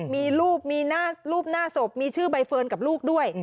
มีรูปมีรูปหน้าศพมีชื่อใบเฟิร์นกับลูกด้วย